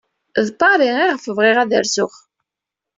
D Paris ayɣef bɣiɣ ad rzuɣ.